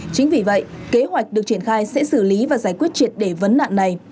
chính vì vậy kế hoạch được triển khai sẽ xử lý và giải quyết triệt để vấn nạn này